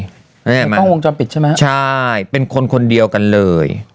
กล้องวงจรปิดใช่ไหมใช่เป็นคนคนเดียวกันเลย